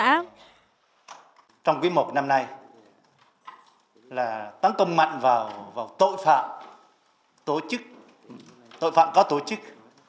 trong quy mục năm nay là tăng công mạnh vào tội phạm tội phạm có tổ chức